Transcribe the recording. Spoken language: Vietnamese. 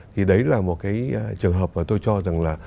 thì đấy là một cái trường hợp mà tôi cho rằng là